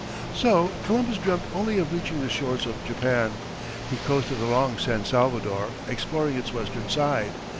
So Columbus dreamt only of reaching the shores of Japan. He coasted along San Salvador, exploring its western side.